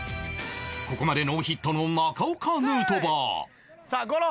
ここまでノーヒットの中岡ヌートバーさあゴロ！